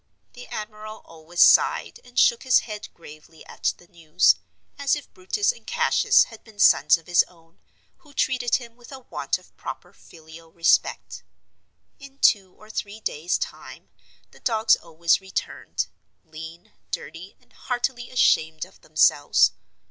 The admiral always sighed and shook his head gravely at the news, as if Brutus and Cassius had been sons of his own, who treated him with a want of proper filial respect. In two or three days' time the dogs always returned, lean, dirty, and heartily ashamed of themselves.